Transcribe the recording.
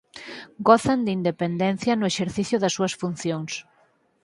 Gozan de independencia no exercicio das súas funcións.